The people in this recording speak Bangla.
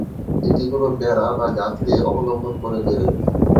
এটি কোনো বেড়া বা গাছকে অবলম্বন করে বেড়ে উঠে।